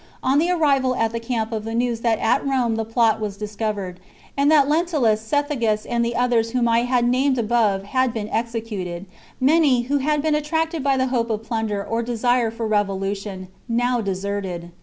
'^ On the chap. arrival at the camp of the news that at Rome the plot was discovered, and that Lentulus, Cethegus, and the others whom I have named above, had been executed, many, who had been attracted by the hope of plunder or desire for revolution, now deserted.